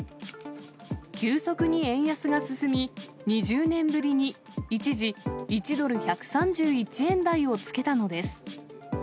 急速に円安が進み、２０年ぶりに一時、１ドル１３１円台をつけたのです。